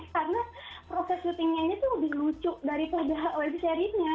karena proses syutingnya ini tuh lebih lucu daripada web seriesnya